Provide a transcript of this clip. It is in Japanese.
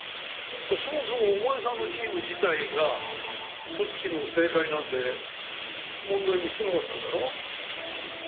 そもそもお前さんのチーム自体が組織の正解なんて問題にしてなかったんだろ？